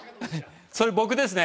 それ僕ですね！